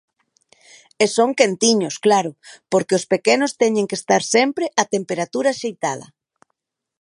E son quentiños, claro, porque os pequenos teñen que estar sempre á temperatura axeitada.